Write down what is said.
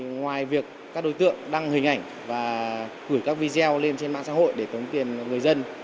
ngoài việc các đối tượng đăng hình ảnh và gửi các video lên trên mạng xã hội để tống tiền người dân